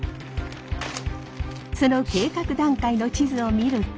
その計画段階の地図を見ると。